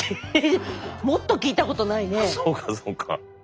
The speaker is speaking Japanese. そうかそうか。